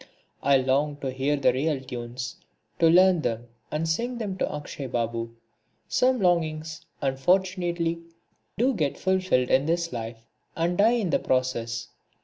I longed to hear the real tunes, to learn them, and sing them to Akshay Babu. Some longings unfortunately do get fulfilled in this life, and die in the process.